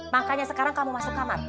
makanya sekarang kamu masuk kamar